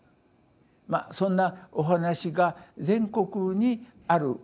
まそんなお話が全国にある。